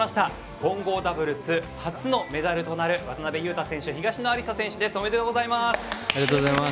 混合ダブルス初のメダルとなる渡辺勇大選手、東野有紗選手おめでとうございます。